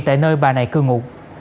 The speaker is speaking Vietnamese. tại nơi bà này cư ngụ